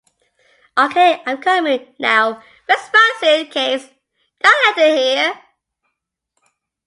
Ok, I'm coming! Now where's my suitcase? Did I left it here?